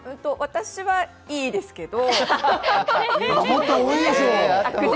私はいいですけど。